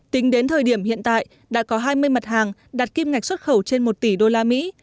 tính đến thời điểm hiện tại đã có hai mươi mặt hàng đạt kim ngạch xuất khẩu trên một tỷ usd